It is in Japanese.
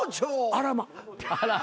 あらま。